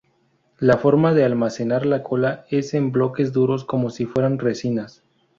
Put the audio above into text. La forma de almacenar la cola es en bloques duros como si fueran resinas.